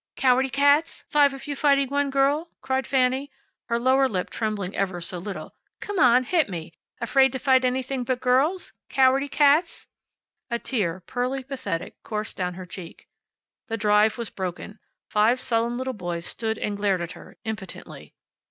"Cowardy cats! Five of you fighting one girl," cried Fanny, her lower lip trembling ever so little. "Come on! Hit me! Afraid to fight anything but girls! Cowardy cats!" A tear, pearly, pathetic, coursed down her cheek. The drive was broken. Five sullen little boys stood and glared at her, impotently.